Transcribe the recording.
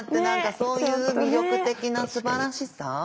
何かそういう魅力的なすばらしさ。